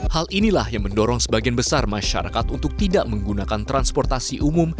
hal inilah yang mendorong sebagian besar masyarakat untuk tidak menggunakan transportasi umum